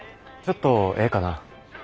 ちょっとええかな。